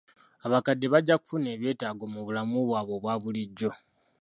Abakadde bajja kufuna ebyetaago mu bulamu bwabwe obwa bulijjo.